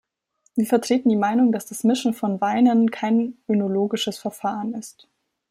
Wir vertreten die Meinung, dass das Mischen von Weinen kein önologisches Verfahren ist.